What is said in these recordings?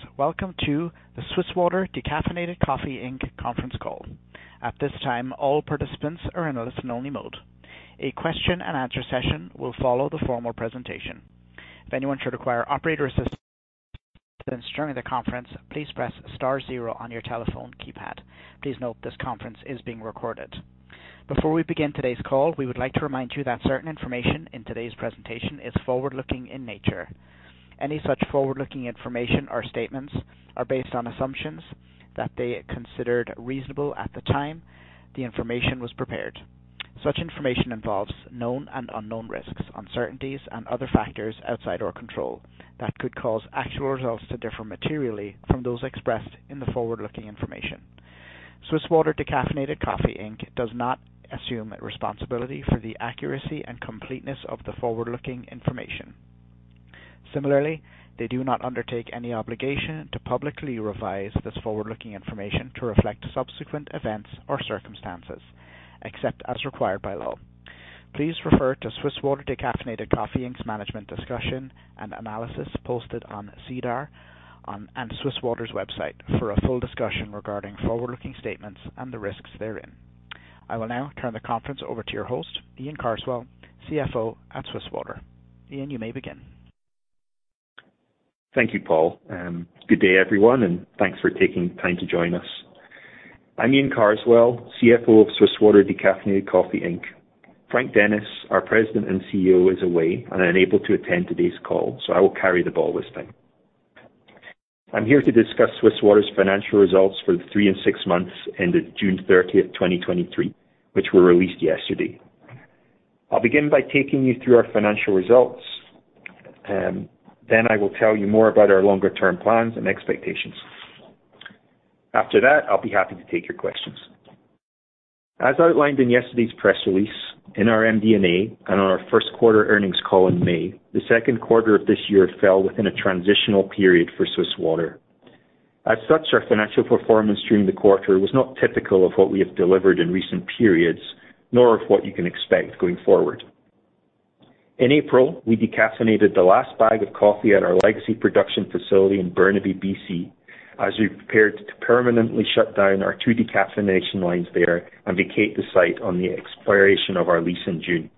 Greetings. Welcome to the Swiss Water Decaffeinated Coffee Inc conference call. At this time, all participants are in listen-only mode. A Q&A session will follow the formal presentation. If anyone should require operator assistance during the conference, please press star 0 on your telephone keypad. Please note, this conference is being recorded. Before we begin today's call, we would like to remind you that certain information in today's presentation is forward-looking in nature. Any such forward-looking information or statements are based on assumptions that they considered reasonable at the time the information was prepared. Such information involves known and unknown risks, uncertainties, and other factors outside our control that could cause actual results to differ materially from those expressed in the forward-looking information. Swiss Water Decaffeinated Coffee Inc. does not assume responsibility for the accuracy and completeness of the forward-looking information. Similarly, they do not undertake any obligation to publicly revise this forward-looking information to reflect subsequent events or circumstances, except as required by law. Please refer to Swiss Water Decaffeinated Coffee Inc.'s Management Discussion and Analysis posted on SEDAR on, and Swiss Water's website for a full discussion regarding forward-looking statements and the risks therein. I will now turn the conference over to your host, Iain Carswell, CFO at Swiss Water. Ian, you may begin. Thank you, Paul, good day, everyone, and thanks for taking time to join us. I'm Iain Carswell, CFO of Swiss Water Decaffeinated Coffee Inc. Frank Dennis, our President & CEO, is away and unable to attend today's call, so I will carry the ball this time. I'm here to discuss Swiss Water's financial results for the 3 and 6 months ended June 30, 2023, which were released yesterday. I'll begin by taking you through our financial results, then I will tell you more about our longer-term plans and expectations. After that, I'll be happy to take your questions. As outlined in yesterday's press release, in our MD&A and on our Q1 earnings call in May, the Q2 of this year fell within a transitional period for Swiss Water. As such, our financial performance during the quarter was not typical of what we have delivered in recent periods, nor of what you can expect going forward. In April, we decaffeinated the last bag of coffee at our legacy production facility in Burnaby, B.C., as we prepared to permanently shut down our 2 decaffeination lines there and vacate the site on the expiration of our lease in June.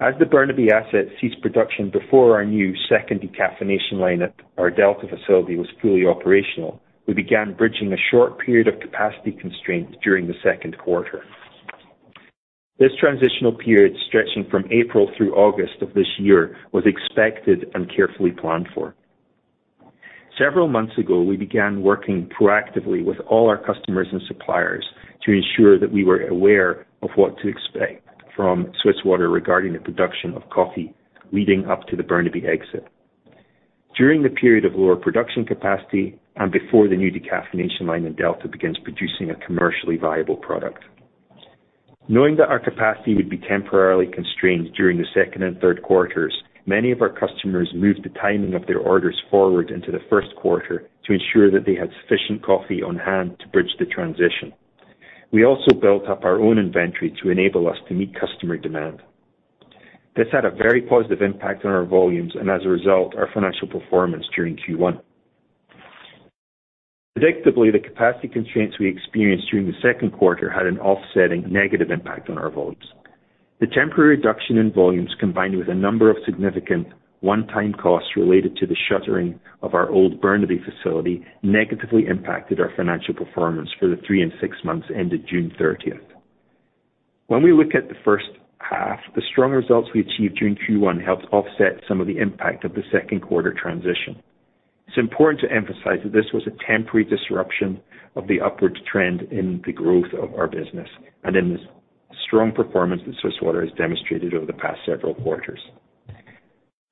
As the Burnaby asset ceased production before our new 2nd decaffeination line at our Delta facility was fully operational, we began bridging a short period of capacity constraints during the Q2. This transitional period, stretching from April through August of this year, was expected and carefully planned for. Several months ago, we began working proactively with all our customers and suppliers to ensure that we were aware of what to expect from Swiss Water regarding the production of coffee leading up to the Burnaby exit. During the period of lower production capacity and before the new decaffeination line in Delta begins producing a commercially viable product. Knowing that our capacity would be temporarily constrained during the 2nd and Q3s, many of our customers moved the timing of their orders forward into the Q1 to ensure that they had sufficient coffee on hand to bridge the transition. We also built up our own inventory to enable us to meet customer demand. This had a very positive impact on our volumes and, as a result, our financial performance during Q1. Predictably, the capacity constraints we experienced during the Q2 had an offsetting negative impact on our volumes. The temporary reduction in volumes, combined with a number of significant one-time costs related to the shuttering of our old Burnaby facility, negatively impacted our financial performance for the 3 and 6 months ended June 30th. When we look at the H1, the strong results we achieved during Q1 helped offset some of the impact of the Q2 transition. It's important to emphasize that this was a temporary disruption of the upward trend in the growth of our business and in the strong performance that Swiss Water has demonstrated over the past several quarters.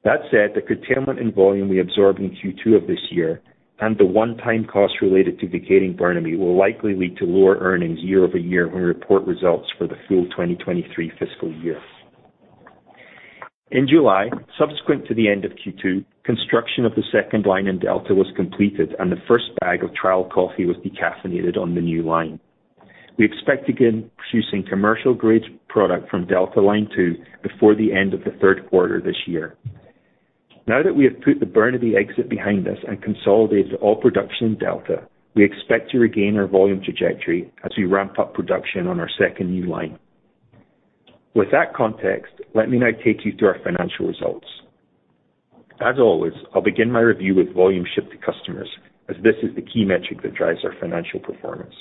That said, the curtailment in volume we absorbed in Q2 of this year and the one-time costs related to vacating Burnaby will likely lead to lower earnings year-over-year when we report results for the full 2023 FY. In July, subsequent to the end of Q2, construction of the 2nd line in Delta was completed, and the first bag of trial coffee was decaffeinated on the new line. We expect to begin producing commercial-grade product from Delta Line 2 before the end of the Q3 this year. Now that we have put the Burnaby exit behind us and consolidated all production in Delta, we expect to regain our volume trajectory as we ramp up production on our 2nd new line. With that context, let me now take you through our financial results. As always, I'll begin my review with volume shipped to customers, as this is the key metric that drives our financial performance.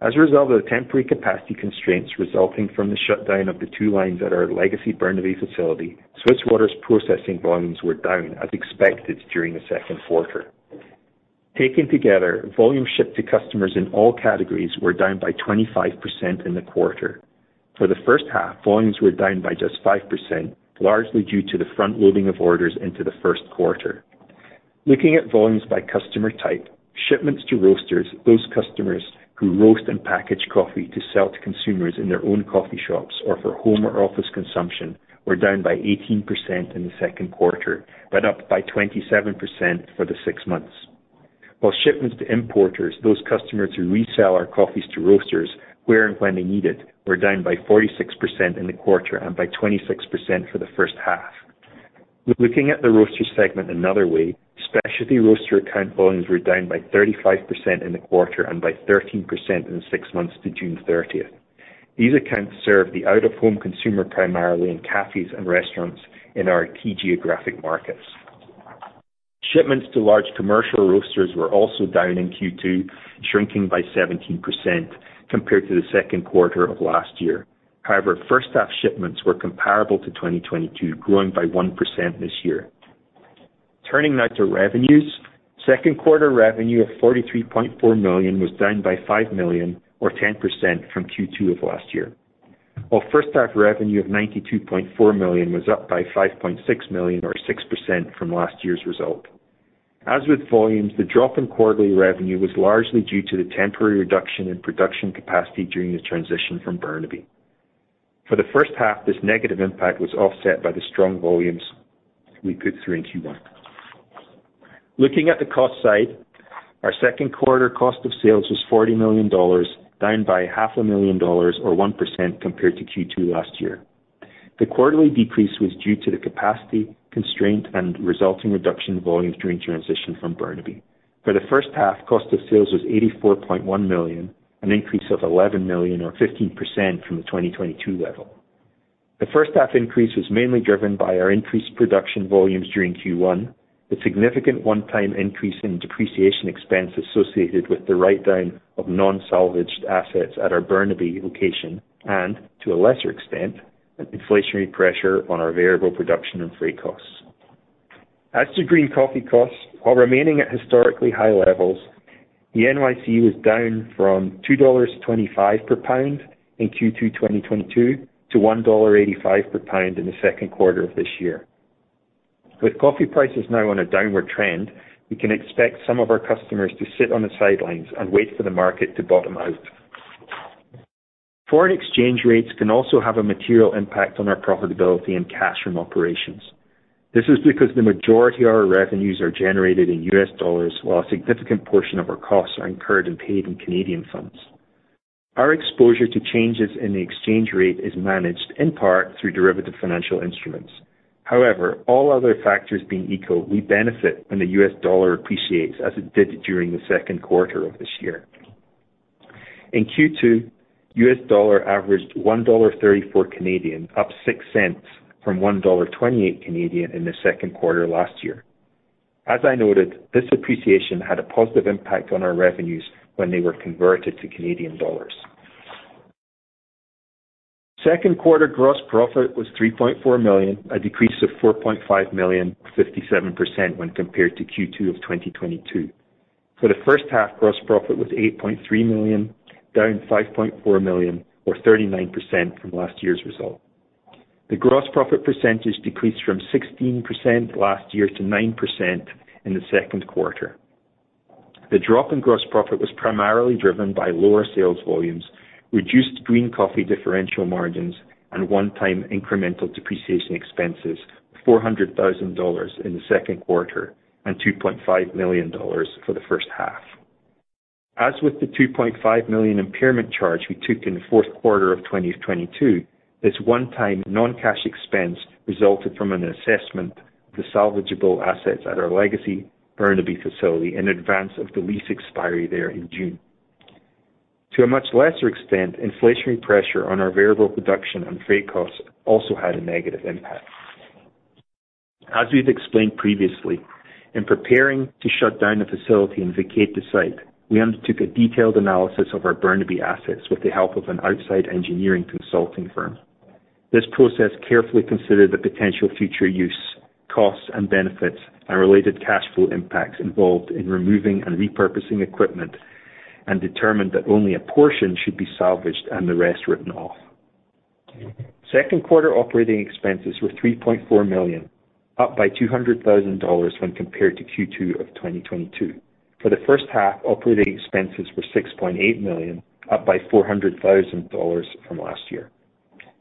As a result of the temporary capacity constraints resulting from the shutdown of the 2 lines at our legacy Burnaby facility, Swiss Water's processing volumes were down as expected during the Q2. Taken together, volumes shipped to customers in all categories were down by 25% in the quarter. For the H1, volumes were down by just 5%, largely due to the front loading of orders into the 1st quarter. Looking at volumes by customer type, shipments to roasters, those customers who roast and package coffee to sell to consumers in their own coffee shops or for home or office consumption, were down by 18% in the 2nd quarter, but up by 27% for the 6 months. Shipments to importers, those customers who resell our coffees to roasters where and when they need it, were down by 46% in the quarter and by 26% for the H1. Looking at the roaster segment another way, specialty roaster account volumes were down by 35% in the quarter and by 13% in the 6 months to June 30th. These accounts serve the out-of-home consumer, primarily in cafes and restaurants in our key geographic markets. Shipments to large commercial roasters were also down in Q2, shrinking by 17% compared to the Q2 of last year. H1 shipments were comparable to 2022, growing by 1% this year. Turning now to revenues. Q2 revenue of 43.4 million was down by 5 million, or 10% from Q2 of last year, while H1 revenue of 92.4 million was up by 5.6 million, or 6% from last year's result. As with volumes, the drop in quarterly revenue was largely due to the temporary reduction in production capacity during the transition from Burnaby. For the H1, this negative impact was offset by the strong volumes we put through in Q1. Looking at the cost side, our Q2 cost of sales was 40 million dollars, down by 500,000 dollars or 1% compared to Q2 last year. The quarterly decrease was due to the capacity, constraint, and resulting reduction in volumes during transition from Burnaby. For the H1, cost of sales was 84.1 million, an increase of 11 million, or 15% from the 2022 level. The H1 increase was mainly driven by our increased production volumes during Q1, the significant one-time increase in depreciation expense associated with the write-down of non-salvaged assets at our Burnaby location, and to a lesser extent, an inflationary pressure on our variable production and freight costs. As to green coffee costs, while remaining at historically high levels, the NYC was down from $2.25 per pound in Q2 2022 to $1.85 per pound in the Q2 of this year. With coffee prices now on a downward trend, we can expect some of our customers to sit on the sidelines and wait for the market to bottom out. Foreign exchange rates can also have a material impact on our profitability and cash from operations. This is because the majority of our revenues are generated in US dollar, while a significant portion of our costs are incurred and paid in Canadian funds. Our exposure to changes in the exchange rate is managed in part through derivative financial instruments. However, all other factors being equal, we benefit when the US dollar appreciates, as it did during the Q2 of this year. In Q2, U.S. dollar averaged 1.34 Canadian dollars, up 0.06 from 1.28 Canadian dollars in the Q2 last year. As I noted, this appreciation had a positive impact on our revenues when they were converted to Canadian dollars. Q2 gross profit was 3.4 million, a decrease of 4.5 million, 57% when compared to Q2 of 2022. For the H1, gross profit was 8.3 million, down 5.4 million, or 39% from last year's result. The gross profit percentage decreased from 16% last year to 9% in the Q2. The drop in gross profit was primarily driven by lower sales volumes, reduced green coffee differential margins, and one-time incremental depreciation expenses, 400,000 dollars in the Q2 and 2.5 million dollars for the H1. As with the 2.5 million impairment charge we took in the Q4 of 2022, this one-time non-cash expense resulted from an assessment of the salvageable assets at our legacy Burnaby facility in advance of the lease expiry there in June. To a much lesser extent, inflationary pressure on our variable production and freight costs also had a negative impact. As we've explained previously, in preparing to shut down the facility and vacate the site, we undertook a detailed analysis of our Burnaby assets with the help of an outside engineering consulting firm. This process carefully considered the potential future use, costs and benefits, and related cash flow impacts involved in removing and repurposing equipment, and determined that only a portion should be salvaged and the rest written off. Q2 operating expenses were 3.4 million, up by 200,000 dollars when compared to Q2 of 2022. For the H1, operating expenses were 6.8 million, up by 400,000 dollars from last year.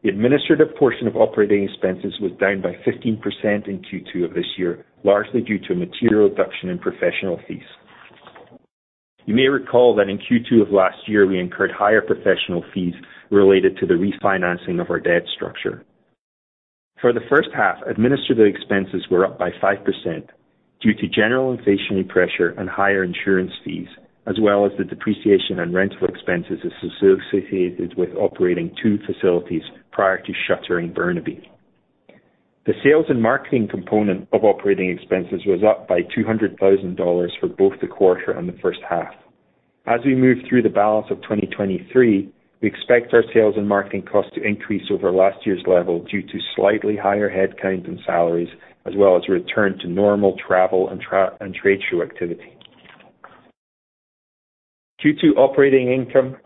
The administrative portion of operating expenses was down by 15% in Q2 of this year, largely due to a material reduction in professional fees. You may recall that in Q2 of last year, we incurred higher professional fees related to the refinancing of our debt structure. For the H1, administrative expenses were up by 5% due to general inflationary pressure and higher insurance fees, as well as the depreciation and rental expenses associated with operating 2 facilities prior to shuttering Burnaby. The sales and marketing component of operating expenses was up by 200,000 dollars for both the quarter and the H1. As we move through the balance of 2023, we expect our sales and marketing costs to increase over last year's level due to slightly higher headcount and salaries, as well as return to normal travel and trade show activity. Q2 operating income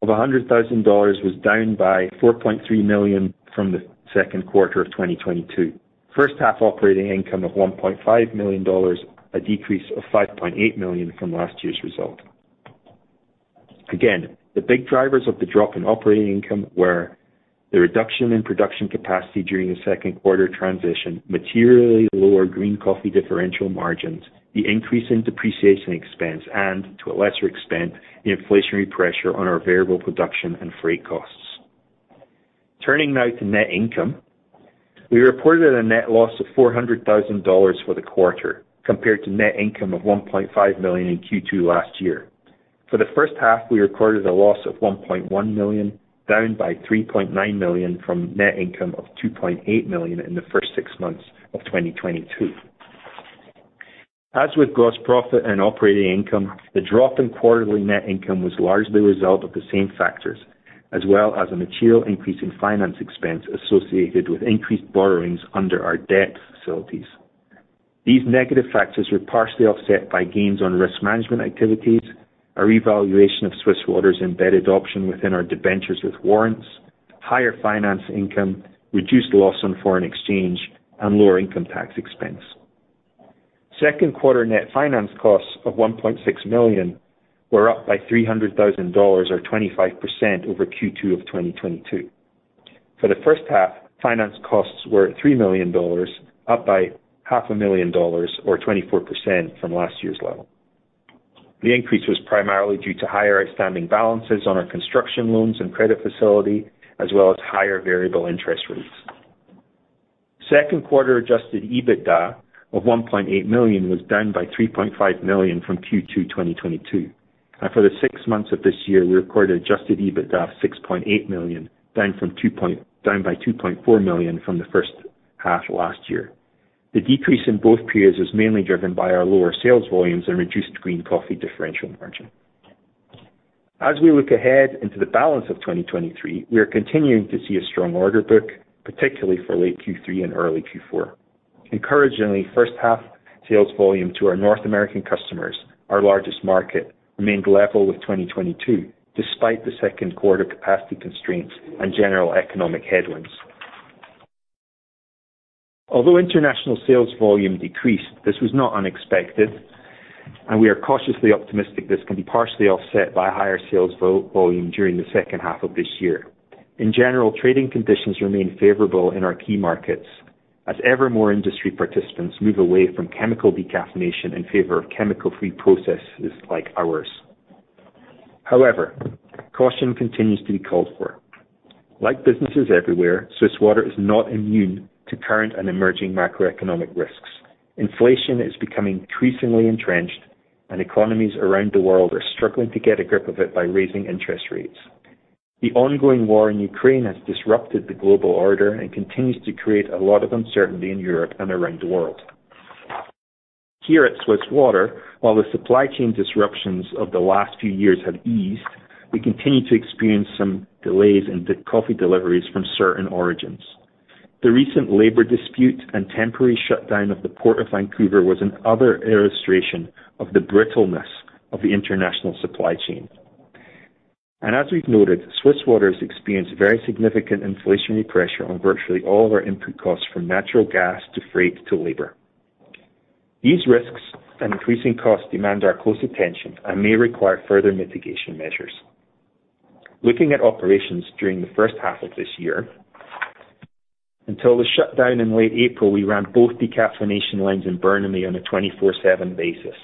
of 100,000 dollars was down by 4.3 million from the Q2 of 2022. H1 operating income of $1.5 million, a decrease of $5.8 million from last year's result. Again, the big drivers of the drop in operating income were the reduction in production capacity during the Q2 transition, materially lower green coffee differential margins, the increase in depreciation expense, and to a lesser extent, the inflationary pressure on our variable production and freight costs. Turning now to net income. We reported a net loss of $400,000 for the quarter, compared to net income of $1.5 million in Q2 last year. For the H1, we recorded a loss of $1.1 million, down by $3.9 million from net income of $2.8 million in the first 6 months of 2022. As with gross profit and operating income, the drop in quarterly net income was largely a result of the same factors, as well as a material increase in finance expense associated with increased borrowings under our debt facilities. These negative factors were partially offset by gains on risk management activities, a revaluation of Swiss Water's embedded option within our debentures with warrants, higher finance income, reduced loss on foreign exchange, and lower income tax expense. Q2 net finance costs of 1.6 million were up by 300,000 dollars, or 25% over Q2 of 2022. For the H1, finance costs were at 3 million dollars, up by 500,000 dollars or 24% from last year's level. The increase was primarily due to higher outstanding balances on our construction loans and credit facility, as well as higher variable interest rates. Q2 Adjusted EBITDA of 1.8 million was down by 3.5 million from Q2 2022, and for the 6 months of this year, we recorded Adjusted EBITDA of 6.8 million, down by 2.4 million from the H1 last year. The decrease in both periods is mainly driven by our lower sales volumes and reduced green coffee differential margin. As we look ahead into the balance of 2023, we are continuing to see a strong order book, particularly for late Q3 and early Q4. Encouragingly, H1 sales volume to our North American customers, our largest market, remained level with 2022, despite the Q2 capacity constraints and general economic headwinds. Although international sales volume decreased, this was not unexpected, and we are cautiously optimistic this can be partially offset by higher sales volume during the H2 of this year. In general, trading conditions remain favorable in our key markets as ever more industry participants move away from chemical decaffeination in favor of chemical-free processes like ours. However, caution continues to be called for. Like businesses everywhere, Swiss Water is not immune to current and emerging macroeconomic risks. Inflation is becoming increasingly entrenched, and economies around the world are struggling to get a grip of it by raising interest rates. The ongoing war in Ukraine has disrupted the global order and continues to create a lot of uncertainty in Europe and around the world. Here at Swiss Water, while the supply chain disruptions of the last few years have eased, we continue to experience some delays in the coffee deliveries from certain origins. The recent labor dispute and temporary shutdown of the Port of Vancouver was another illustration of the brittleness of the international supply chain. As we've noted, Swiss Water's experienced very significant inflationary pressure on virtually all of our input costs, from natural gas to freight to labor. These risks and increasing costs demand our close attention and may require further mitigation measures. Looking at operations during the H1 of this year, until the shutdown in late April, we ran both decaffeination lines in Burnaby on a 24/7 basis.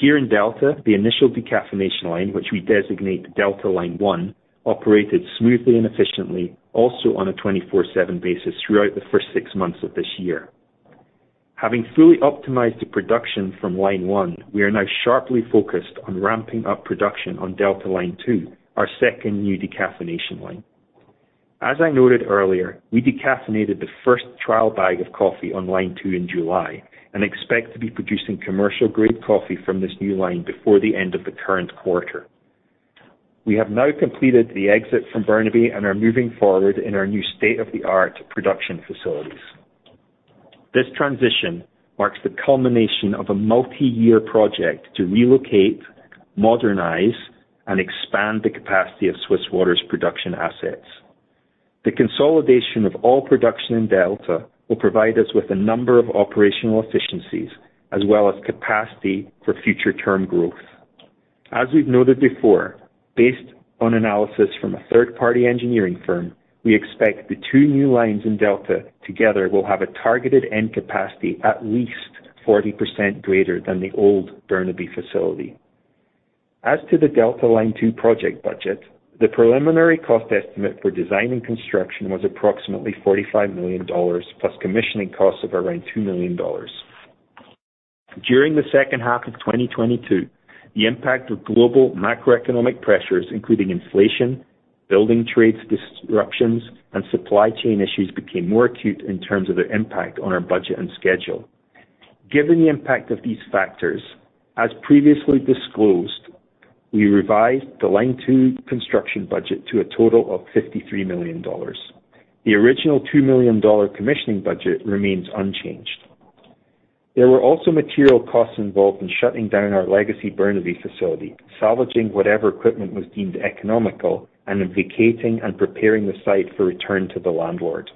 Here in Delta, the initial decaffeination line, which we designate Delta Line One, operated smoothly and efficiently, also on a 24/7 basis throughout the first 6 months of this year. Having fully optimized the production from Line One, we are now sharply focused on ramping up production on Delta Line 2, our 2nd new decaffeination line. As I noted earlier, we decaffeinated the first trial bag of coffee on Line 2 in July and expect to be producing commercial-grade coffee from this new line before the end of the current quarter. We have now completed the exit from Burnaby and are moving forward in our new state-of-the-art production facilities. This transition marks the culmination of a multi-year project to relocate, modernize, and expand the capacity of Swiss Water's production assets. The consolidation of all production in Delta will provide us with a number of operational efficiencies as well as capacity for future term growth. As we've noted before, based on analysis from a third-party engineering firm, we expect the 2 new lines in Delta together will have a targeted end capacity at least 40% greater than the old Burnaby facility. As to the Delta Line 2 project budget, the preliminary cost estimate for design and construction was approximately $45 million, plus commissioning costs of around $2 million. During the H2 of 2022, the impact of global macroeconomic pressures, including inflation, building trades disruptions, and supply chain issues, became more acute in terms of their impact on our budget and schedule. Given the impact of these factors, as previously disclosed, we revised the Line 2 construction budget to a total of $53 million. The original $2 million commissioning budget remains unchanged. There were also material costs involved in shutting down our legacy Burnaby facility, salvaging whatever equipment was deemed economical, and then vacating and preparing the site for return to the landlord.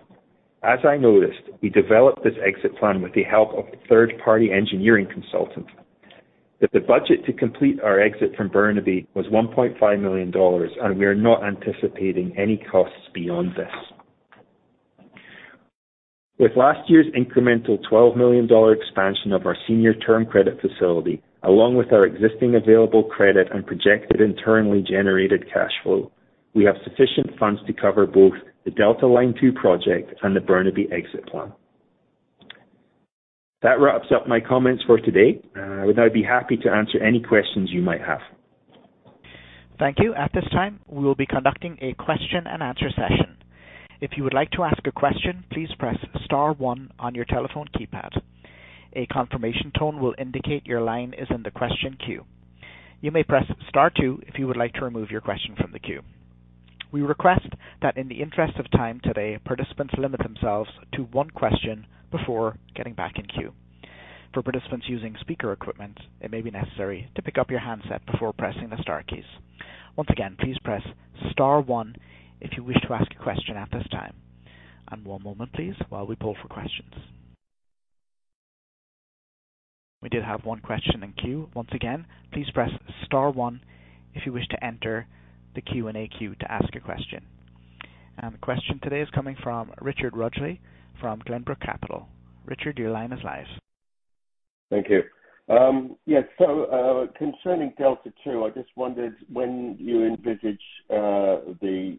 As I noticed, we developed this exit plan with the help of a third-party engineering consultant, that the budget to complete our exit from Burnaby was $1.5 million, and we are not anticipating any costs beyond this. With last year's incremental $12 million expansion of our senior term credit facility, along with our existing available credit and projected internally generated cash flow, we have sufficient funds to cover both the Delta Line 2 project and the Burnaby exit plan. That wraps up my comments for today. I would now be happy to answer any questions you might have. Thank you. At this time, we will be conducting a Q&A session. If you would like to ask a question, please press star 1 on your telephone keypad. A confirmation tone will indicate your line is in the question queue. You may press star 2 if you would like to remove your question from the queue. We request that in the interest of time today, participants limit themselves to 1 question before getting back in queue. For participants using speaker equipment, it may be necessary to pick up your handset before pressing the star keys. Once again, please press star 1 if you wish to ask a question at this time. One moment, please, while we pull for questions. We did have 1 question in queue. Once again, please press star 1 if you wish to enter the Q&A queue to ask a question. The question today is coming from Richard Rudgley from Glenbrook Capital. Richard, your line is live. Thank you. Yes. Concerning Delta 2, I just wondered when you envisage the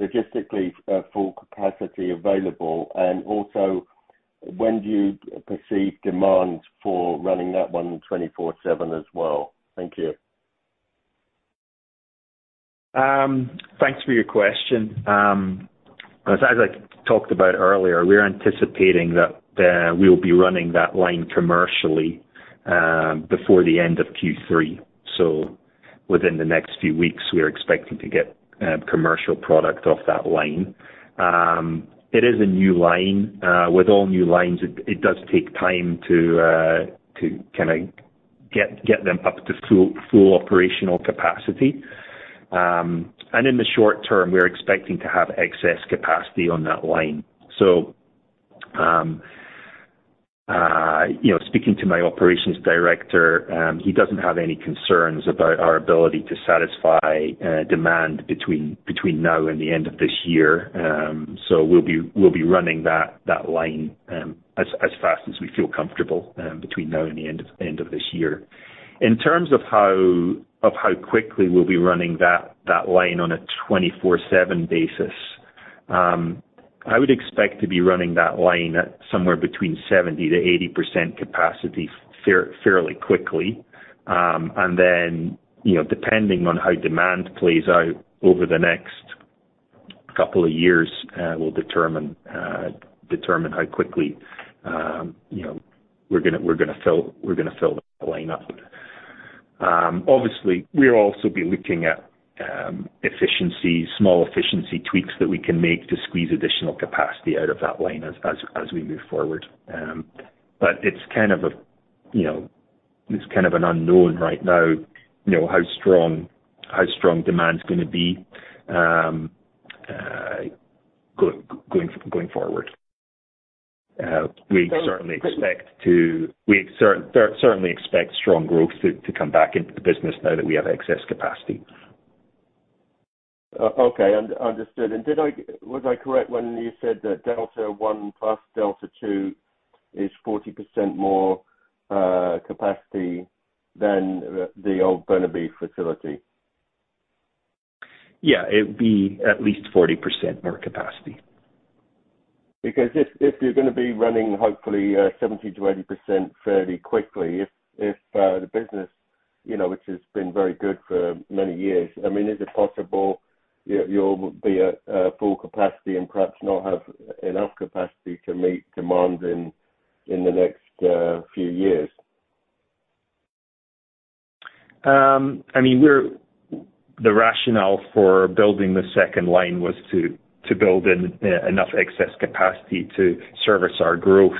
logistically full capacity available, and also when do you perceive demand for running that one 24/7 as well? Thank you. Thanks for your question. As, as I talked about earlier, we are anticipating that we'll be running that line commercially before the end of Q3. Within the next few weeks, we are expecting to get commercial product off that line. It is a new line. With all new lines, it, it does take time to to kind of get, get them up to full, full operational capacity. And in the short term, we're expecting to have excess capacity on that line. You know, speaking to my operations director, he doesn't have any concerns about our ability to satisfy demand between now and the end of this year. We'll be, we'll be running that, that line, as, as fast as we feel comfortable, between now and the end of this year. In terms of how, of how quickly we'll be running that, that line on a 24/7 basis, I would expect to be running that line at somewhere between 70%-80% capacity fairly quickly. Then, you know, depending on how demand plays out over the next couple of years, we'll determine, determine how quickly, you know, we're gonna, we're gonna fill, we're gonna fill the line up. Obviously, we'll also be looking at efficiency, small efficiency tweaks that we can make to squeeze additional capacity out of that line as, as, as we move forward. It's kind of a, you know, it's kind of an unknown right now. You know, how strong, how strong demand is gonna be, going, going forward. We certainly expect strong growth to come back into the business now that we have excess capacity. Okay, understood. Was I correct when you said that Delta One plus Delta 2 is 40% more capacity than the old Burnaby facility? Yeah, it would be at least 40% more capacity. If, if you're gonna be running hopefully, 70%-80% fairly quickly, if, if, the business, you know, which has been very good for many years, I mean, is it possible you, you'll be at, full capacity and perhaps not have enough capacity to meet demand in, in the next, few years? I mean, we're. The rationale for building the 2nd line was to, to build enough excess capacity to service our growth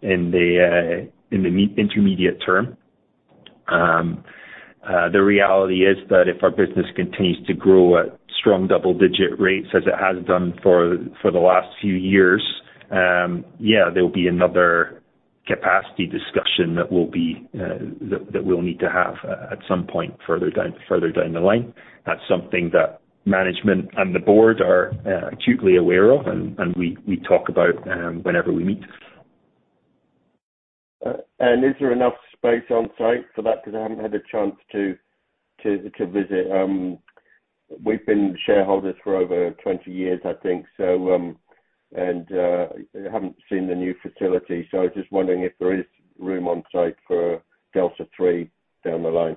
in the intermediate term. The reality is that if our business continues to grow at strong double-digit rates as it has done for, for the last few years, yeah, there will be another capacity discussion that we'll be that, that we'll need to have at some point further down, further down the line. That's something that management and the board are acutely aware of, and, and we, we talk about whenever we meet. Is there enough space on-site for that? Because I haven't had a chance to, to, to visit. We've been shareholders for over 20 years I think so, I haven't seen the new facility, so I was just wondering if there is room on site for Delta 3 down the line.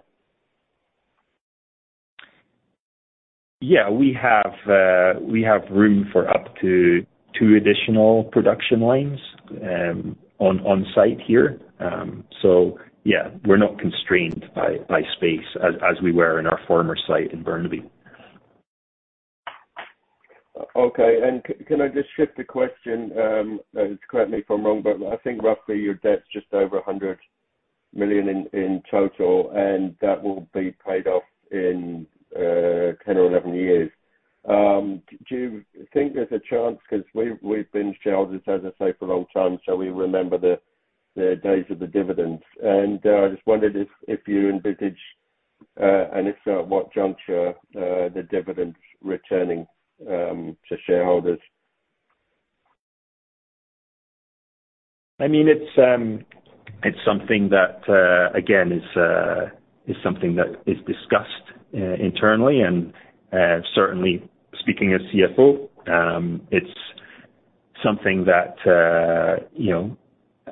Yeah, we have, we have room for up to 2 additional production lines, on, on site here. Yeah, we're not constrained by, by space as, as we were in our former site in Burnaby. Okay. Can I just shift the question, and correct me if I'm wrong, but I think roughly your debt's just over 100 million in total, and that will be paid off in 10 or 11 years. Do you think there's a chance, 'cause we've, we've been shareholders, as I say, for a long time, so we remember the days of the dividends? I just wondered if, if you envisage, and if so, at what juncture, the dividends returning to shareholders? I mean, it's, it's something that, again, is, is something that is discussed, internally, and, certainly speaking as CFO, it's something that, you know,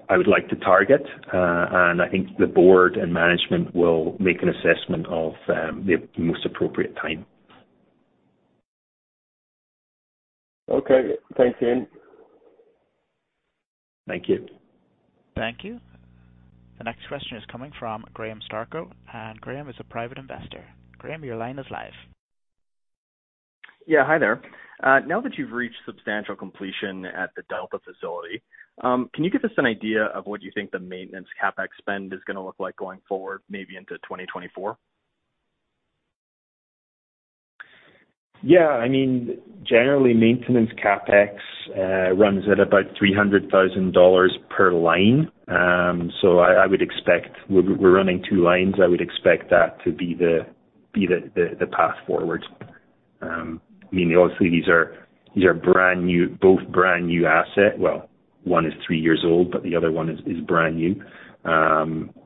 I would like to target. I think the board and management will make an assessment of the most appropriate time. Okay. Thanks, Ian. Thank you. Thank you. The next question is coming from Graham Starco, and Graham is a private investor. Graham, your line is live. Yeah, hi there. Now that you've reached substantial completion at the Delta facility, can you give us an idea of what you think the maintenance CapEx spend is gonna look like going forward, maybe into 2024? Yeah, I mean, generally, maintenance CapEx runs at about 300,000 dollars per line. I, I would expect we're running 2 lines. I would expect that to be the path forward. I mean, obviously, these are brand new, both brand new asset. Well, one is 3 years old, but the other one is brand new.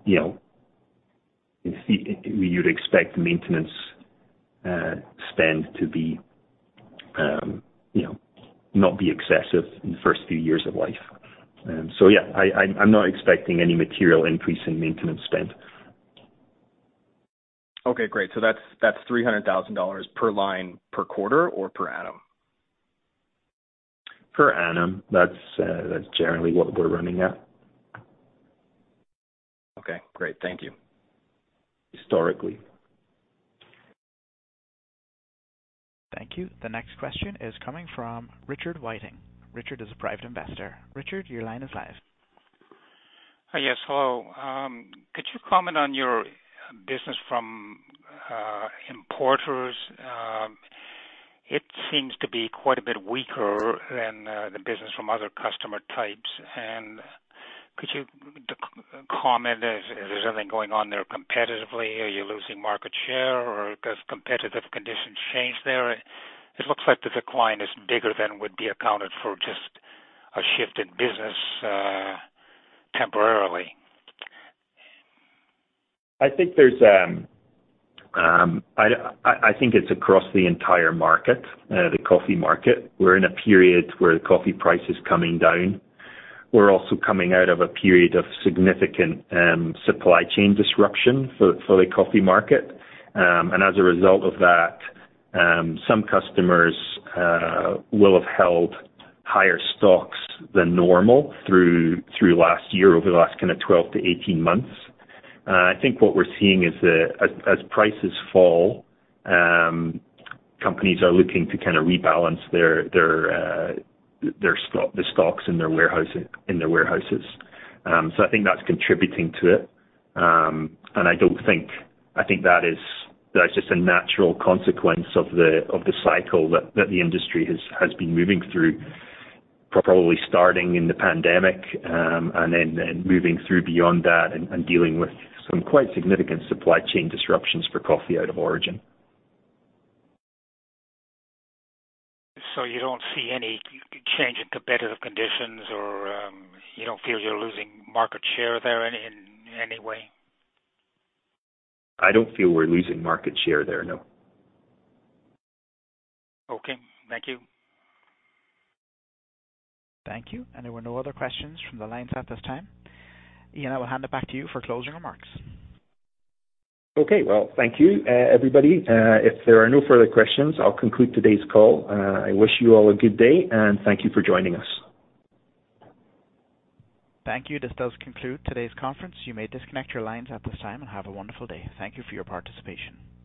You know, you'd expect maintenance spend to be, you know, not be excessive in the first few years of life. Yeah, I, I'm not expecting any material increase in maintenance spend. Okay, great. That's, that's $300,000 per line, per quarter or per annum? Per annum. That's, that's generally what we're running at. Okay, great. Thank you. Historically. Thank you. The next question is coming from Richard Whiting. Richard is a private investor. Richard, your line is live. Hi. Yes, hello. Could you comment on your business from importers? It seems to be quite a bit weaker than the business from other customer types. And could you comment, is, is there something going on there competitively? Are you losing market share or has competitive conditions changed there? It looks like the decline is bigger than would be accounted for just a shift in business temporarily. I think there's I think it's across the entire market, the coffee market. We're in a period where the coffee price is coming down. We're also coming out of a period of significant supply chain disruption for the coffee market. As a result of that, some customers will have held higher stocks than normal through last year, over the last kind of 12 to 18 months. I think what we're seeing is that as, as prices fall, companies are looking to kind of rebalance their, their, their stock, the stocks in their warehouse, in their warehouses. I think that's contributing to it. I don't think... I think that is, that's just a natural consequence of the, of the cycle that, that the industry has, has been moving through, probably starting in the Pandemic, and then, then moving through beyond that and, and dealing with some quite significant supply chain disruptions for coffee out of origin. You don't see any change in competitive conditions or, you don't feel you're losing market share there in, in any way? I don't feel we're losing market share there, no. Okay, thank you. Thank you. There were no other questions from the lines at this time. Ian, I will hand it back to you for closing remarks. Okay. Well, thank you, everybody. If there are no further questions, I'll conclude today's call. I wish you all a good day, and thank you for joining us. Thank you. This does conclude today's conference. You may disconnect your lines at this time, and have a wonderful day. Thank you for your participation.